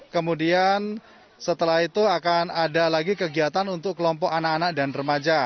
kemudian setelah itu akan ada lagi kegiatan untuk kelompok anak anak dan remaja